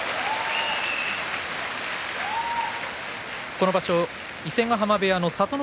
この場所、伊勢ヶ濱部屋の聡ノ